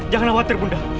jangan khawatir bunda